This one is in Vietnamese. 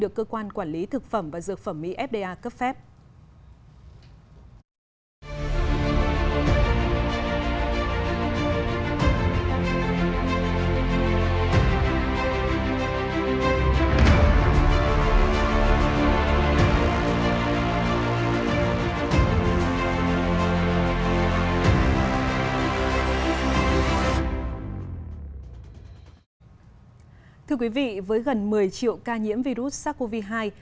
cơ quan quản lý thực phẩm và dược phẩm mỹ fda cấp phép sử dụng khẩn cấp cho vaccine ngừa covid một mươi chín do hãng dược moderna của mỹ